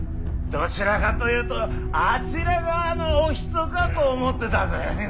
どちらかというとあちら側のお人かと思ってたぜ。